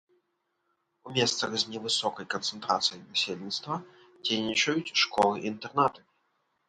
У месцах з невысокай канцэнтрацыяй насельніцтва дзейнічаюць школы-інтэрнаты.